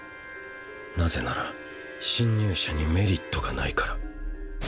なぜなら侵入者にメリットがないから。